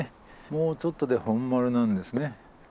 もうちょっとで本丸なんですね。